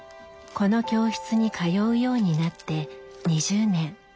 この教室に通うようになって２０年。